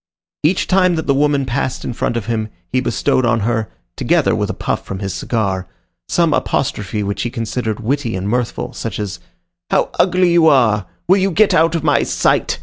Each time that the woman passed in front of him, he bestowed on her, together with a puff from his cigar, some apostrophe which he considered witty and mirthful, such as, "How ugly you are!—Will you get out of my sight?